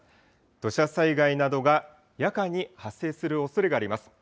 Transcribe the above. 土砂災害などが夜間に発生するおそれがあります。